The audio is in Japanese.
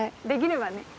できればね。